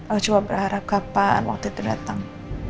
allah cuma berharap kapan waktu itu datang